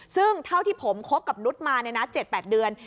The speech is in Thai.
ซึ่งเท่าที่ผมคบกับนุษย์มา๗๘เดือน